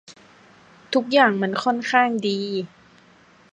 ทุกอย่างมันค่อนข้างดี